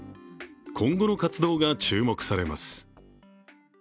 今後の活動が注目されます。